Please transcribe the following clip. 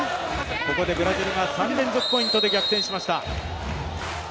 ここでブラジルが３連続ポイントで逆転しました。